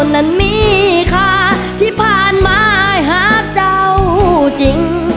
นั้นมีค่ะที่ผ่านมาหากเจ้าจริง